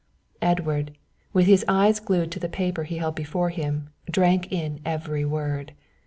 Edward, with his eyes glued to the paper he held before him, drank in every word.